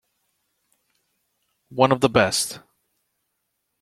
One of the best.